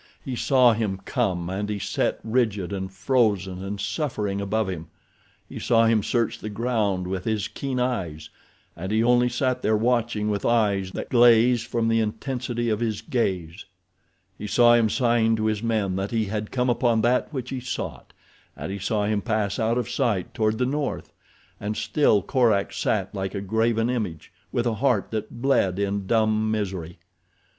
He saw him come and he set rigid and frozen and suffering above him. He saw him search the ground with his keen eyes, and he only sat there watching with eyes that glazed from the intensity of his gaze. He saw him sign to his men that he had come upon that which he sought and he saw him pass out of sight toward the north, and still Korak sat like a graven image, with a heart that bled in dumb misery.